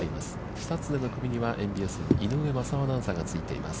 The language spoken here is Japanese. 久常にはＭＢＳ井上雅雄アナウンサーがついています。